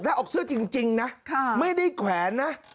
ออกเสื้อจริงนะไม่ได้แขวนนะ